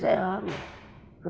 saya tanya sama ainud kamu nurut